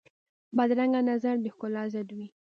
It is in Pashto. بدرنګه نظر د ښکلا ضد وي